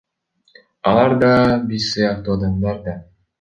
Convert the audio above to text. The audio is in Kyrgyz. Алар да биз сыяктуу адамдар да.